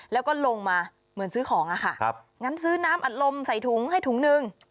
แล้วก็ลงมาเหมือนซื้อของอะค่ะงั้นซื้อน้ำอัดลมใส่ถุงให้ถุงหนึ่ง